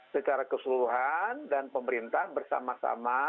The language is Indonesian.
secara keseluruhan dan pemerintah bersama sama